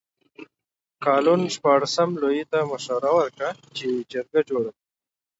کالون شپاړسم لویي ته مشوره ورکړه چې جرګه جوړه کړي.